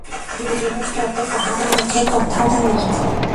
দুইজনে স্তব্ধ, কাহারও মুখে কথা নাই।